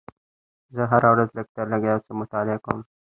زه هره ورځ لږ تر لږه یو څه مطالعه کوم